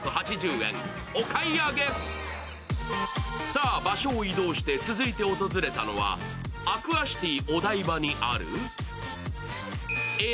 さあ、場所を移動して続いて訪れたのは、アクアシティお台場にあるＡｉｒＢｉｃＣａｍｅｒａ。